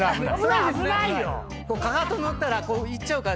かかと塗ったらこういっちゃうから。